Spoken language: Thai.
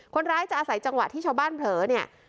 คนร้ายจะอาศัยจังหวะที่ชาวบ้านเผลอเนี่ย